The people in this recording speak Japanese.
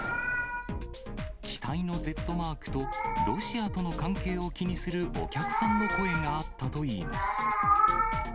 機体のＺマークとロシアとの関係を気にするお客さんの声があったといいます。